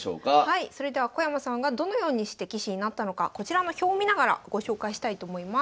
それでは小山さんがどのようにして棋士になったのかこちらの表を見ながらご紹介したいと思います。